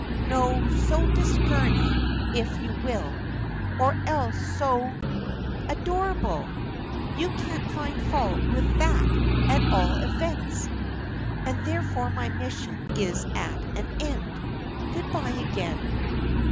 No, so discerning if you will, or else so " "Adorable! You can't find fault with that at all events." "And therefore my mission is at an end! Good bye, again."